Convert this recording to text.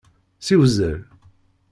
Ssiwzel.